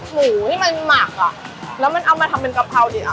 หมูที่มันหมักอ่ะแล้วมันเอามาทำเป็นกะเพราดีอ่ะ